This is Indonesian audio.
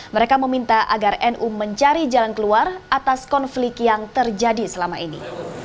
mereka meminta agar nu mencari jalan keluar atas konflik yang terjadi selama ini